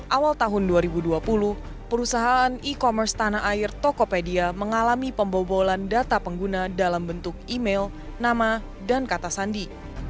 awal tahun dua ribu dua puluh perusahaan e commerce tanah air tokopedia mengalami pembobolan data pengguna dalam bentuk email nama dan kata sandi